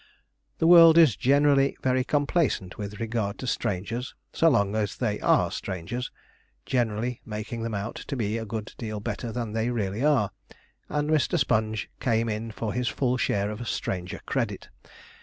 The world is generally very complaisant with regard to strangers, so long as they are strangers, generally making them out to be a good deal better than they really are, and Mr. Sponge came in for his full share of stranger credit.